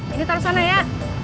ini taruh sana ya